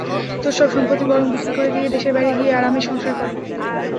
তোর সব সম্পত্তি বরং বিক্রি করে দিয়ে দেশের বাইরে গিয়ে আরামে সংসার কর।